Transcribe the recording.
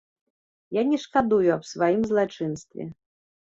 Я не шкадую аб сваім злачынстве.